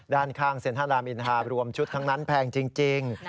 ด้านข้างเซ็นทรัลรามอินทารวมชุดทั้งนั้นแพงจริง